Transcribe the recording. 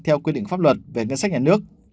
theo quy định pháp luật về ngân sách nhà nước